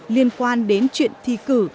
liên quan đến chuyện thi cử